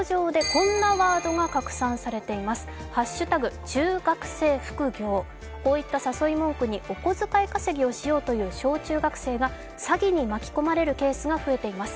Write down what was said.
こういった誘い文句にお小遣い稼ぎをしようとする小中学生が詐欺に巻き込まれるケースが増えています。